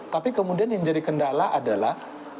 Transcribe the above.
tapi kemudian yang jadi kendala adalah